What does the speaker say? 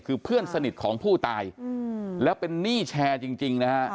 คือเพื่อนสนิทของผู้ตายแล้วเป็นหนี้แชร์จริงนะฮะ